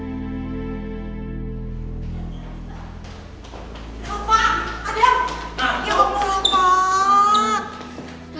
bapak adam ayo berlapak